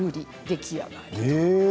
出来上がり。